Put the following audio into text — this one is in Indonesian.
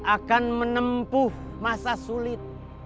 akan menempuh masa sulit